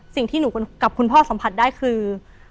สิ่งที่หนูกับคุณพ่อสัมผัสได้คือ